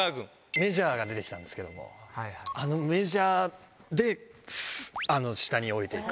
メジャーが出て来たんですけどメジャーで下に下りて行く。